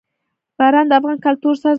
باران د افغان کلتور سره تړاو لري.